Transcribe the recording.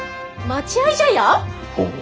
ほう。